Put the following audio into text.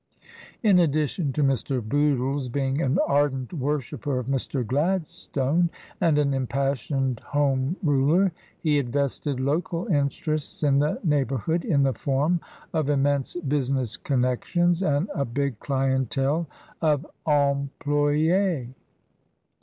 In addition to Mr. Bootle's being an ardent worshipper of Mr. Gladstone and an empassioned Home Ruler, he had vested local interests in the neighbour hood in the form of immense business connections and a big clientele of employes.